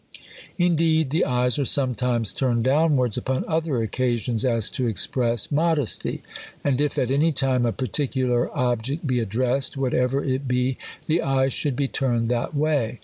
Indeed, the eyes are sometimes turned downwards upon other occasions, as to express modesty. And if at any time a particulai object be addressed, whatever it . be, the eyes should be turned that way.